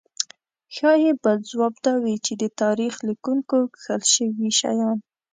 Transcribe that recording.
ښايي بل ځواب دا وي چې د تاریخ لیکونکو کښل شوي شیان.